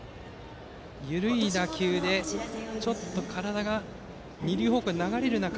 緩い打球で、ちょっと体が二塁方向に流れる中。